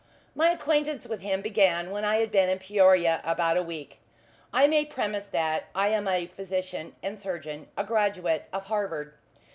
My acquaintance with him began when I had been in Peoria about a week. I may premise that I am a physician and surgeon a graduate of Harvard.